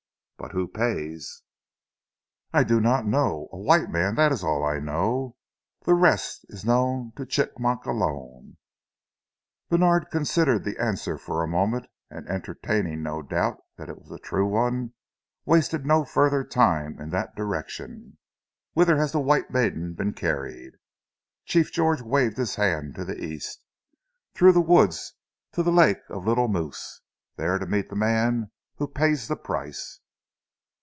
"But who pays?" "I know not. A white man, that is all I know. The rest is known to Chigmok alone." Bènard considered the answer for a moment, and entertaining no doubt that it was the true one, wasted no further time in that direction. "Whither has the white maiden been carried?" Chief George waved his hand to the East. "Through the woods to the lake of Little Moose, there to meet the man who pays the price."